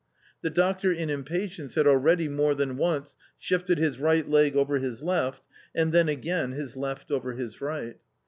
The doctor in impatience had already more than once shifted his right leg over his left, and then again his left over his right.